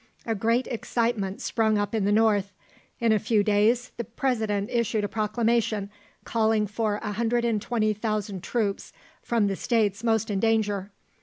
A great excitement sprung up in the North. In a few days the President issued a proclamation, calling for 120,000 troops from the states most in danger.